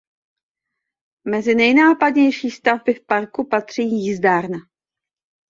Mezi nejnápadnější stavby v parku patří Jízdárna.